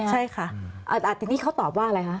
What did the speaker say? ใช่ค่ะทีนี้เขาตอบว่าอะไรคะ